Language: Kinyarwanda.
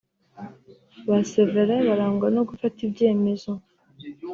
Ba Severien barangwa no gufata ibyemezo